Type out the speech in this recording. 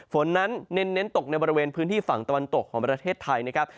ฝนนั้นเน้นตกในบริเวณพื้นที่ฝั่งตะวันตกของประเทศไทยนะครับ